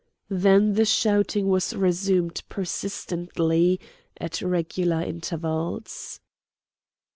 Then the shouting was resumed persistently at regular intervals.